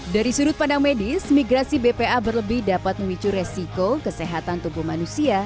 dari sudut pandang medis migrasi bpa berlebih dapat memicu resiko kesehatan tubuh manusia